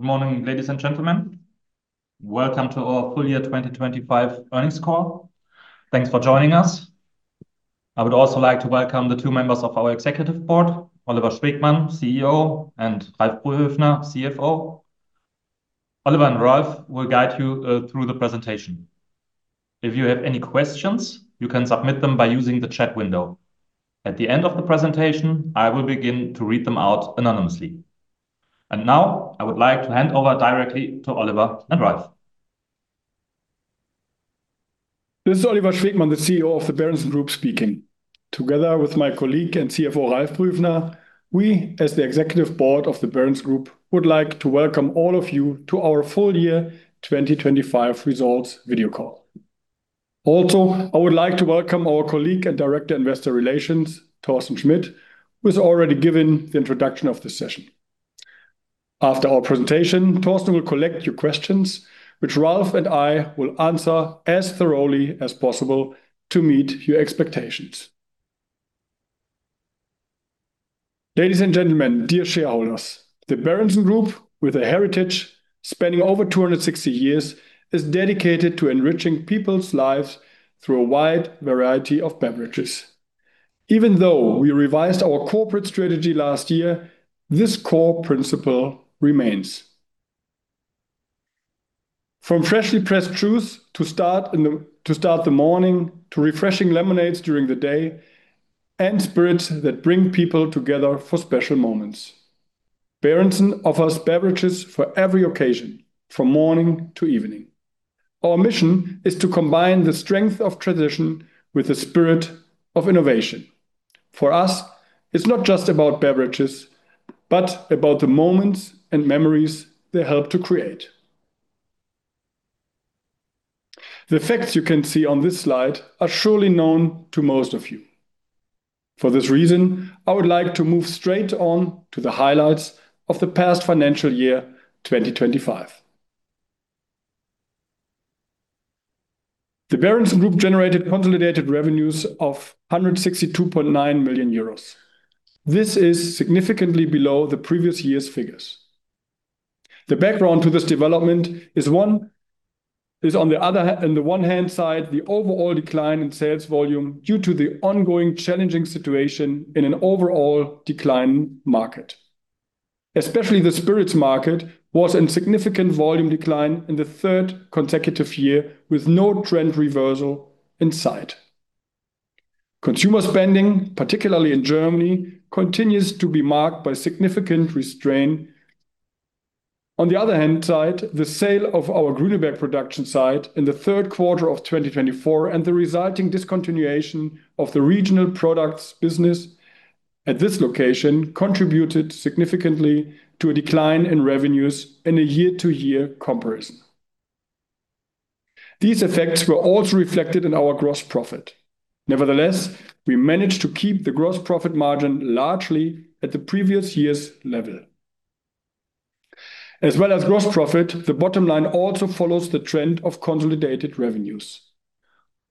Good morning, ladies and gentlemen. Welcome to our full year 2025 earnings call. Thanks for joining us. I would also like to welcome the two members of our executive board, Oliver Schwegmann, CEO, and Ralf Brühöfner, CFO. Oliver and Ralf will guide you through the presentation. If you have any questions, you can submit them by using the chat window. At the end of the presentation, I will begin to read them out anonymously. Now I would like to hand over directly to Oliver and Ralf. This is Oliver Schwegmann, the CEO of the Berentzen Group speaking. Together with my colleague and CFO, Ralf Brühöfner, we as the Executive Board of the Berentzen Group, would like to welcome all of you to our full year 2025 results video call. Also, I would like to welcome our colleague and Director Investor Relations, Thorsten Schmitt, who has already given the introduction of this session. After our presentation, Thorsten will collect your questions, which Ralf and I will answer as thoroughly as possible to meet your expectations. Ladies and gentlemen, dear shareholders, the Berentzen Group, with a heritage spanning over 260 years, is dedicated to enriching people's lives through a wide variety of beverages. Even though we revised our corporate strategy last year, this core principle remains. From freshly pressed juice to start the morning, to refreshing lemonades during the day, and spirits that bring people together for special moments. Berentzen offers beverages for every occasion from morning to evening. Our mission is to combine the strength of tradition with the spirit of innovation. For us, it's not just about beverages, but about the moments and memories they help to create. The facts you can see on this slide are surely known to most of you. For this reason, I would like to move straight on to the highlights of the past financial year, 2025. The Berentzen Group generated consolidated revenues of 162.9 million euros. This is significantly below the previous year's figures. The background to this development is on the one hand, the overall decline in sales volume due to the ongoing challenging situation in an overall declining market. Especially the spirits market was in significant volume decline in the third consecutive year with no trend reversal in sight. Consumer spending, particularly in Germany, continues to be marked by significant restraint. On the other hand, the sale of our Grüneberg production site in the third quarter of 2024 and the resulting discontinuation of the regional products business at this location contributed significantly to a decline in revenues in a year-to-year comparison. These effects were also reflected in our gross profit. Nevertheless, we managed to keep the gross profit margin largely at the previous year's level. As well as gross profit, the bottom line also follows the trend of consolidated revenues.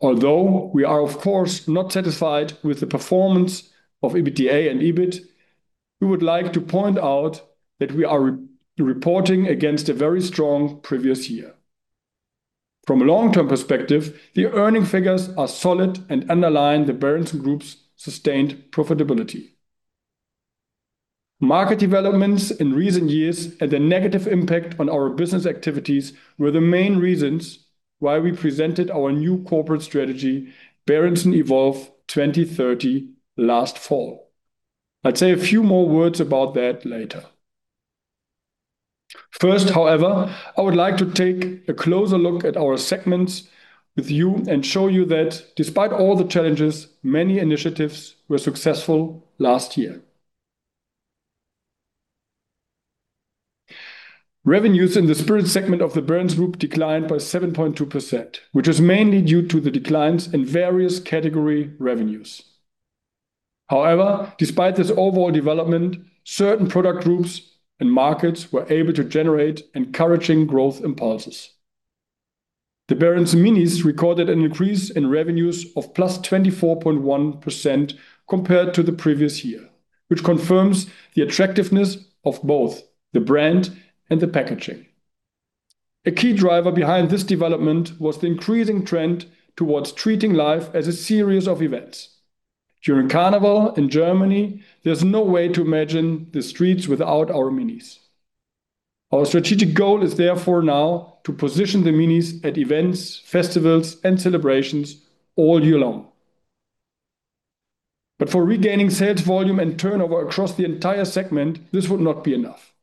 Although we are of course not satisfied with the performance of EBITDA and EBIT, we would like to point out that we are re-reporting against a very strong previous year. From a long-term perspective, the earning figures are solid and underline the Berentzen Group's sustained profitability. Market developments in recent years had a negative impact on our business activities, were the main reasons why we presented our new corporate strategy, Berentzen Evolve 2030, last fall. I'd say a few more words about that later. First, however, I would like to take a closer look at our segments with you and show you that despite all the challenges, many initiatives were successful last year. Revenues in the spirit segment of the Berentzen Group declined by 7.2%, which was mainly due to the declines in various category revenues. However, despite this overall development, certain product groups and markets were able to generate encouraging growth impulses. The Berentzen Minis recorded an increase in revenues of +24.1% compared to the previous year, which confirms the attractiveness of both the brand and the packaging. A key driver behind this development was the increasing trend towards treating life as a series of events. During Carnival in Germany, there's no way to imagine the streets without our Minis. Our strategic goal is therefore now to position the Minis at events, festivals, and celebrations all year long. For regaining sales volume and turnover across the entire segment, this would not be enough.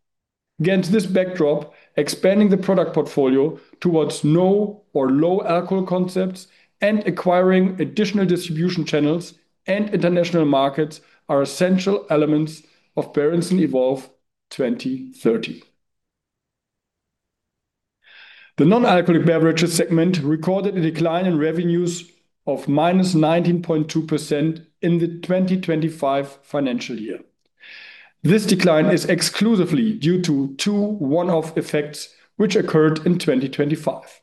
Against this backdrop, expanding the product portfolio towards no or low alcohol concepts and acquiring additional distribution channels and international markets are essential elements of Berentzen Evolve 2030. The non-alcoholic beverages segment recorded a decline in revenues of -19.2% in the 2025 financial year. This decline is exclusively due to two one-off effects which occurred in 2025,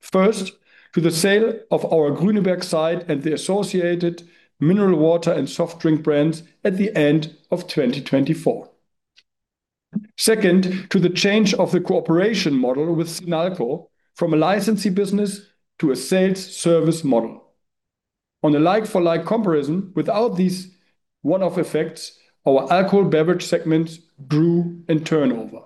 first, to the sale of our Grüneberg site and the associated mineral water and soft drink brands at the end of 2024, second, to the change of the cooperation model with Sinalco from a licensee business to a sales service model. On a like-for-like comparison without these one-off effects, our alcoholic beverages segment grew in turnover.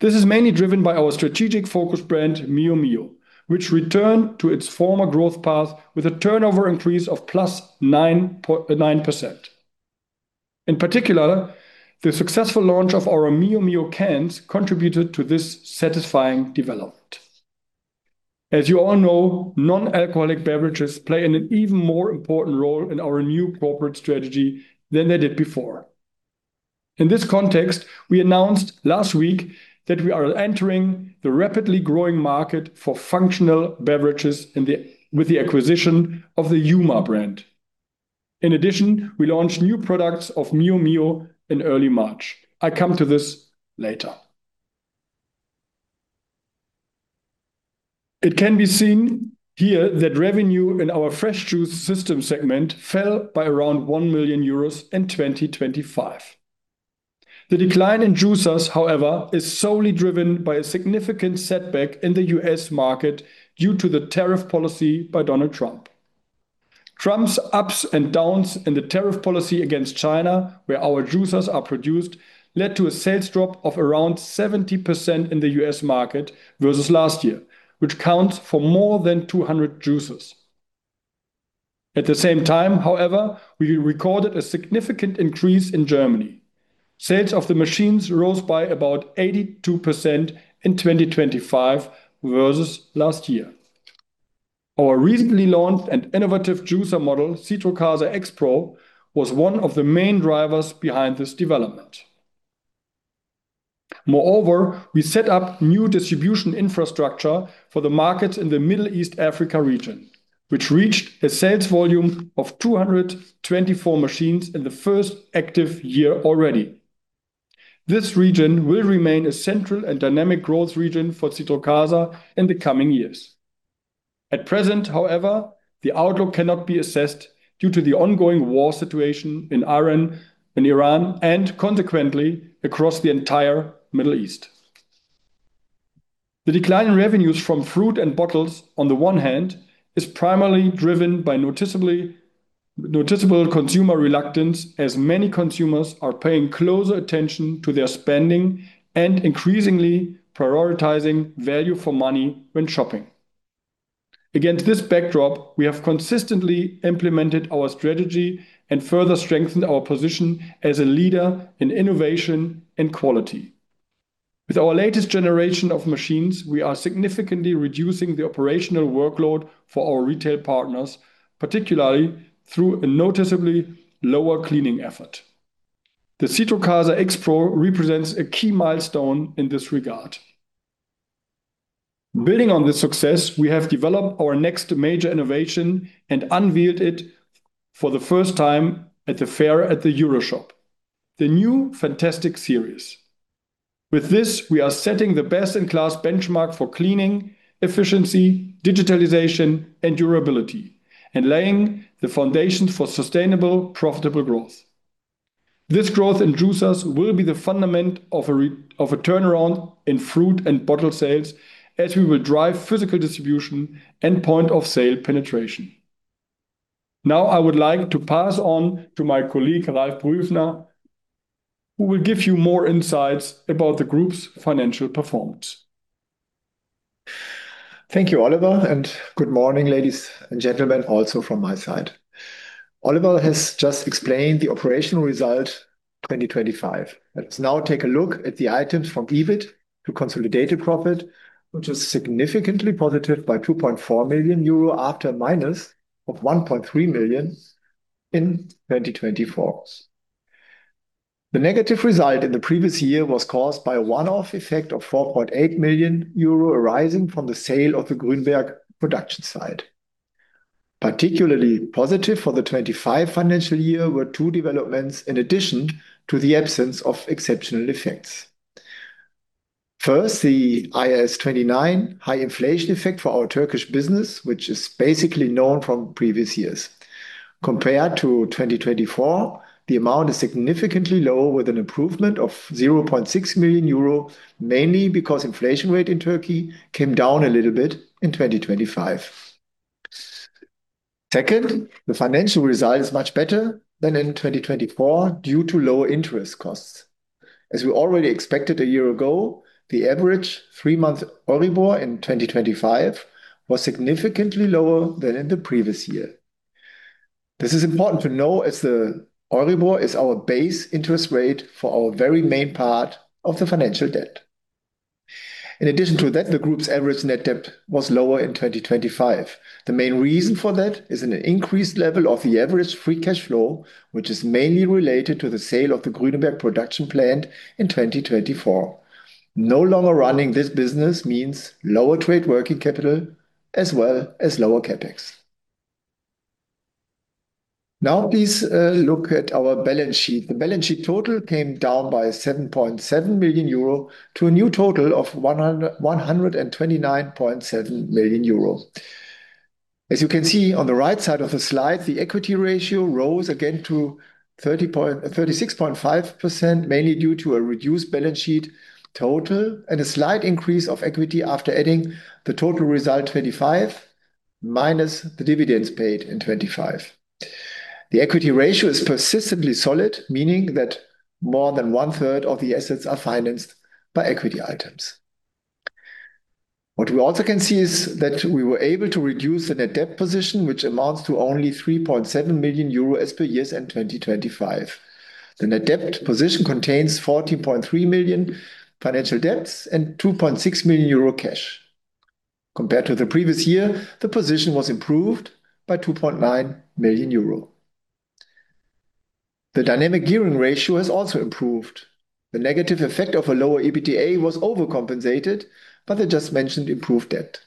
This is mainly driven by our strategic focus brand, Mio Mio, which returned to its former growth path with a turnover increase of +9.9%. In particular, the successful launch of our Mio Mio cans contributed to this satisfying development. As you all know, non-alcoholic beverages play an even more important role in our new corporate strategy than they did before. In this context, we announced last week that we are entering the rapidly growing market for functional beverages with the acquisition of the Juma brand. In addition, we launched new products of Mio Mio in early March. I come to this later. It can be seen here that revenue in our fresh juice system segment fell by around 1 million euros in 2025. The decline in juicers, however, is solely driven by a significant setback in the U.S. market due to the tariff policy by Donald Trump. Trump's ups and downs in the tariff policy against China, where our juicers are produced, led to a sales drop of around 70% in the U.S. market versus last year, which accounts for more than 200 juicers. At the same time, however, we recorded a significant increase in Germany. Sales of the machines rose by about 82% in 2025 versus last year. Our recently launched and innovative juicer model, Citrocasa xPro, was one of the main drivers behind this development. Moreover, we set up new distribution infrastructure for the markets in the Middle East Africa region, which reached a sales volume of 224 machines in the first active year already. This region will remain a central and dynamic growth region for Citrocasa in the coming years. At present, however, the outlook cannot be assessed due to the ongoing war situation in Iran and consequently across the entire Middle East. The decline in revenues from fruit and bottles on the one hand, is primarily driven by noticeable consumer reluctance, as many consumers are paying closer attention to their spending and increasingly prioritizing value for money when shopping. Against this backdrop, we have consistently implemented our strategy and further strengthened our position as a leader in innovation and quality. With our latest generation of machines, we are significantly reducing the operational workload for our retail partners, particularly through a noticeably lower cleaning effort. The Citrocasa xPro represents a key milestone in this regard. Building on this success, we have developed our next major innovation and unveiled it for the first time at the fair at the EuroShop, the new Fantastic series. With this, we are setting the best-in-class benchmark for cleaning, efficiency, digitalization, and durability, and laying the foundation for sustainable, profitable growth. This growth in juicers will be the fundament of a turnaround in fruit and bottle sales, as we will drive physical distribution and point-of-sale penetration. Now, I would like to pass on to my colleague, Ralf Brühöfner, who will give you more insights about the group's financial performance. Thank you, Oliver, and good morning, ladies and gentlemen, also from my side. Oliver has just explained the operational result 2025. Let's now take a look at the items from EBIT to consolidated profit, which is significantly positive by 2.4 million euro after a minus of 1.3 million in 2024. The negative result in the previous year was caused by a one-off effect of 4.8 million euro arising from the sale of the Grüneberg production site. Particularly positive for the 2025 financial year were two developments in addition to the absence of exceptional effects. First, the IAS 29 high inflation effect for our Turkish business, which is basically known from previous years. Compared to 2024, the amount is significantly lower with an improvement of 0.6 million euro, mainly because inflation rate in Turkey came down a little bit in 2025. Second, the financial result is much better than in 2024 due to lower interest costs. As we already expected a year ago, the average three-month EURIBOR in 2025 was significantly lower than in the previous year. This is important to know as the EURIBOR is our base interest rate for our very main part of the financial debt. In addition to that, the group's average net debt was lower in 2025. The main reason for that is an increased level of the average free cash flow, which is mainly related to the sale of the Grüneberg production plant in 2024. No longer running this business means lower trade working capital as well as lower CapEx. Now please, look at our balance sheet. The balance sheet total came down by 7.7 million euro to a new total of 129.7 million euro. As you can see on the right side of the slide, the equity ratio rose again to 36.5%, mainly due to a reduced balance sheet total and a slight increase of equity after adding the total result 2025 minus the dividends paid in 2025. The equity ratio is persistently solid, meaning that more than one-third of the assets are financed by equity items. What we also can see is that we were able to reduce the net debt position, which amounts to only 3.7 million euro per year end in 2025. The net debt position contains 40.3 million financial debts and 2.6 million euro cash. Compared to the previous year, the position was improved by 2.9 million euro. The dynamic gearing ratio has also improved. The negative effect of a lower EBITDA was overcompensated by the just mentioned improved debt.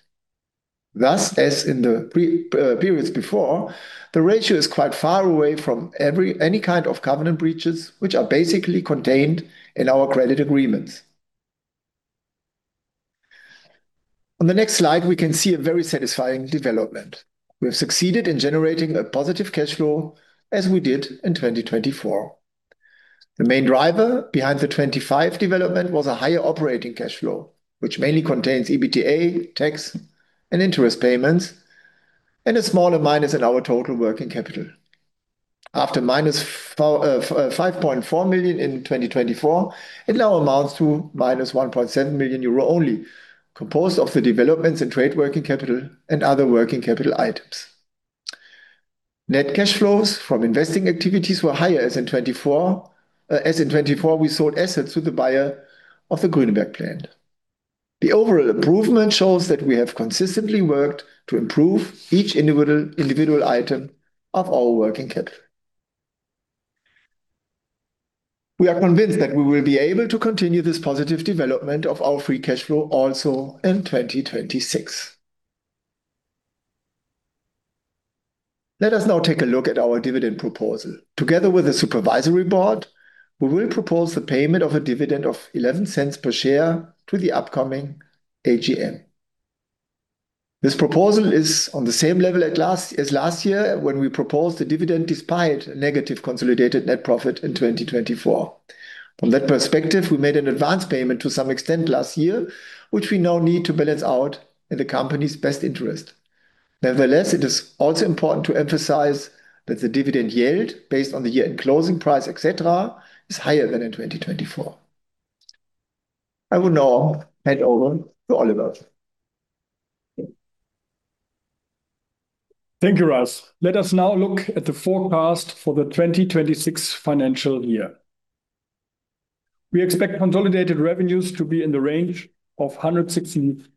Thus, as in the previous periods before, the ratio is quite far away from any kind of covenant breaches which are basically contained in our credit agreements. On the next slide, we can see a very satisfying development. We have succeeded in generating a positive cash flow as we did in 2024. The main driver behind the 2025 development was a higher operating cash flow, which mainly contains EBITDA, tax and interest payments, and a smaller minus in our total working capital. After -5.4 million in 2024, it now amounts to -1.7 million euro only, composed of the developments in trade working capital and other working capital items. Net cash flows from investing activities were higher than in 2024, as in 2024 we sold assets to the buyer of the Grüneberg plant. The overall improvement shows that we have consistently worked to improve each individual item of our working capital. We are convinced that we will be able to continue this positive development of our free cash flow also in 2026. Let us now take a look at our dividend proposal. Together with the supervisory board, we will propose the payment of a dividend of 0.11 per share to the upcoming AGM. This proposal is on the same level as last year when we proposed a dividend despite a negative consolidated net profit in 2024. From that perspective, we made an advance payment to some extent last year, which we now need to balance out in the company's best interest. Nevertheless, it is also important to emphasize that the dividend yield based on the year-end closing price, et cetera, is higher than in 2024. I will now hand over to Oliver. Thank you, Ralf. Let us now look at the forecast for the 2026 financial year. We expect consolidated revenues to be in the range of 163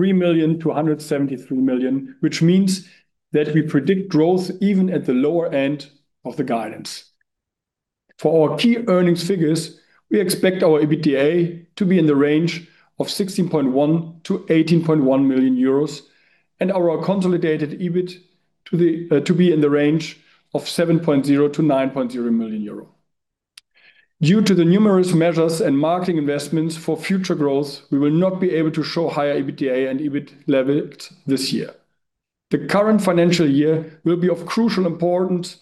million-173 million, which means that we predict growth even at the lower end of the guidance. For our key earnings figures, we expect our EBITDA to be in the range of 16.1 million-18.1 million euros and our consolidated EBIT to be in the range of 7.0 million-9.0 million euro. Due to the numerous measures and marketing investments for future growth, we will not be able to show higher EBITDA and EBIT levels this year. The current financial year will be of crucial importance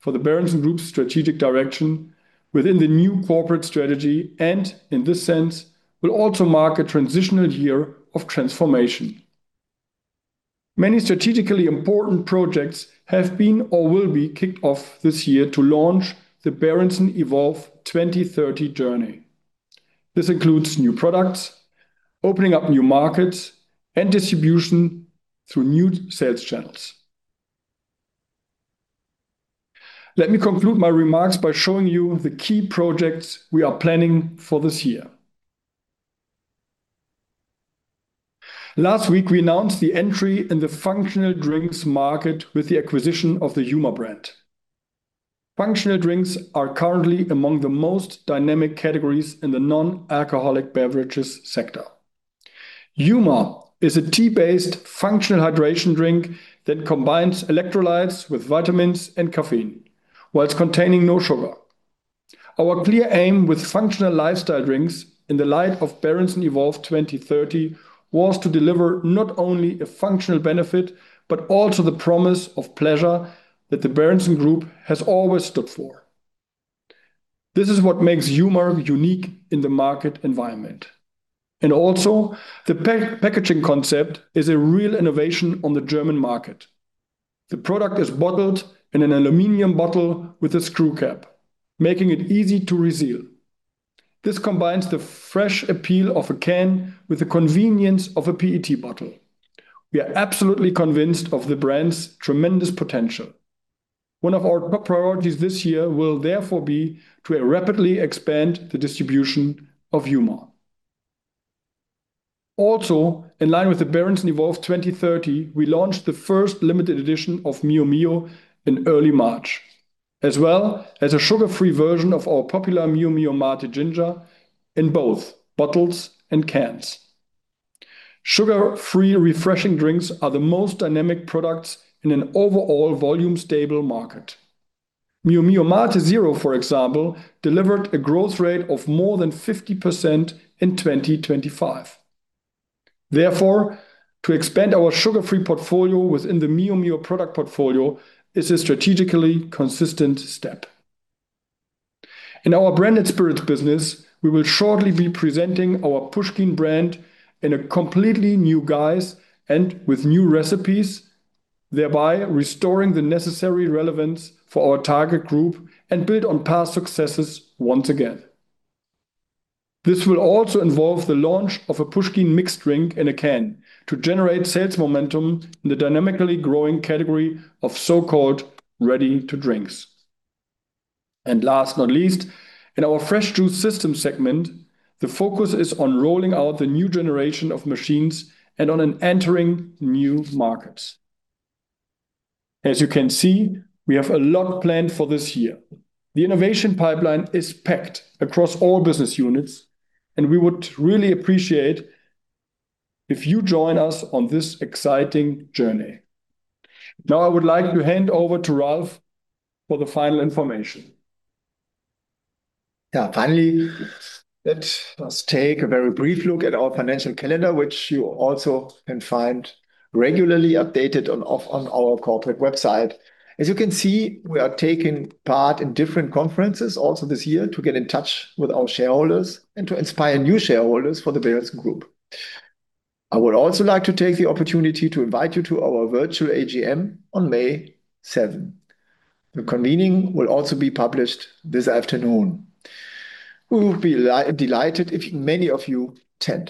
for the Berentzen-Gruppe's strategic direction within the new corporate strategy, and in this sense will also mark a transitional year of transformation. Many strategically important projects have been or will be kicked off this year to launch the Berentzen Evolve 2030 journey. This includes new products, opening up new markets and distribution through new sales channels. Let me conclude my remarks by showing you the key projects we are planning for this year. Last week, we announced the entry in the functional drinks market with the acquisition of the Juma brand. Functional drinks are currently among the most dynamic categories in the non-alcoholic beverages sector. Juma is a tea-based functional hydration drink that combines electrolytes with vitamins and caffeine while containing no sugar. Our clear aim with functional lifestyle drinks in the light of Berentzen Evolve 2030 was to deliver not only a functional benefit, but also the promise of pleasure that the Berentzen Group has always stood for. This is what makes Juma unique in the market environment. The packaging concept is a real innovation on the German market. The product is bottled in an aluminum bottle with a screw cap, making it easy to reseal. This combines the fresh appeal of a can with the convenience of a PET bottle. We are absolutely convinced of the brand's tremendous potential. One of our priorities this year will therefore be to rapidly expand the distribution of Juma. In line with the Berentzen Evolve 2030, we launched the first limited edition of Mio Mio in early March, as well as a sugar-free version of our popular Mio Mio Mate Ginger in both bottles and cans. Sugar-free refreshing drinks are the most dynamic products in an overall volume stable market. Mio Mio Mate Zero, for example, delivered a growth rate of more than 50% in 2025. Therefore, to expand our sugar-free portfolio within the Mio Mio product portfolio is a strategically consistent step. In our branded spirits business, we will shortly be presenting our Puschkin brand in a completely new guise and with new recipes, thereby restoring the necessary relevance for our target group and build on past successes once again. This will also involve the launch of a Puschkin mixed drink in a can to generate sales momentum in the dynamically growing category of so-called ready-to-drink. Last but not least, in our fresh juice system segment, the focus is on rolling out the new generation of machines and on entering new markets. As you can see, we have a lot planned for this year. The innovation pipeline is packed across all business units, and we would really appreciate if you join us on this exciting journey. Now I would like to hand over to Ralf for the final information. Yeah. Finally, let us take a very brief look at our financial calendar, which you also can find regularly updated on our corporate website. As you can see, we are taking part in different conferences also this year to get in touch with our shareholders and to inspire new shareholders for the Berentzen Group. I would also like to take the opportunity to invite you to our virtual AGM on May seventh. The convening will also be published this afternoon. We will be delighted if many of you attend.